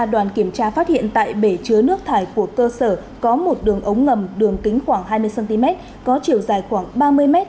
đoàn kiểm tra phát hiện tại bể chứa nước thải của cơ sở có một đường ống ngầm đường kính khoảng hai mươi cm có chiều dài khoảng ba mươi m